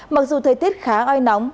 mặc dù thời tiết khá oai nóng